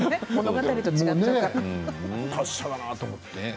達者だなと思って。